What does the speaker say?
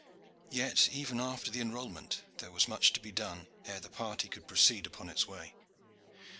Yet, even after the enrolment, there was much to be done ere the party could proceed upon its way.